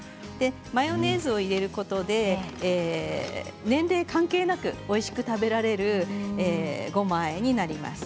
マヨネーズを入れることで年齢関係なくおいしく食べられるごまあえになります。